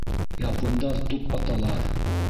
Япундар туп аталар